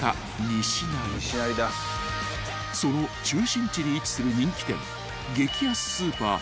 ［その中心地に位置する人気店］